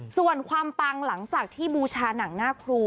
ส่วนความปังหลังจากที่บูชาหนังหน้าครู